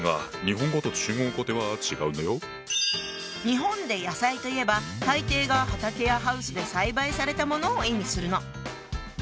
日本で「野菜」といえば大抵が畑やハウスで栽培されたものを意味するの。